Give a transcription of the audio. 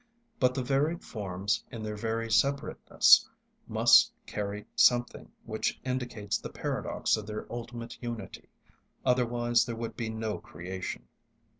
But the varied forms, in their very separateness, must carry something which indicates the paradox of their ultimate unity, otherwise there would be no creation.